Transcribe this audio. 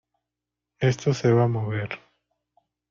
esto se va a mover.